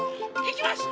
いきます！